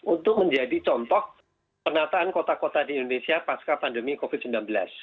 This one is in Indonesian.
untuk menjadi contoh penataan kota kota di indonesia pasca pandemi covid sembilan belas